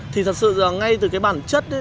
thì thật sự là ngay từ cái bản chất